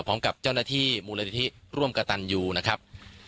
พร้อมกับเจ้าหน้าที่มูลนิธิร่วมกระตันยูนะครับ